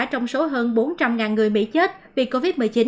trong số hơn bốn trăm linh người mỹ chết vì covid một mươi chín